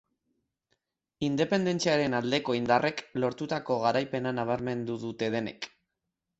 Independentziaren aldeko indarrek lortutako garaipena nabarmendu dute denek.